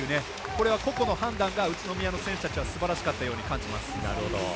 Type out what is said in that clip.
これは個々の判断が宇都宮の選手たちすばらしかったように感じます。